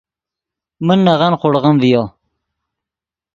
من نغن خوڑغیم ڤیو